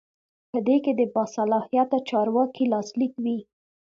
په دې کې د باصلاحیته چارواکي لاسلیک وي.